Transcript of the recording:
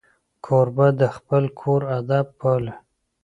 کوربه د خپل کور ادب پالي.